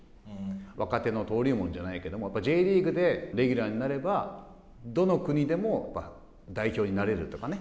若手の登竜門じゃないけど、Ｊリーグでレギュラーになればどの国でも代表になれるとかね。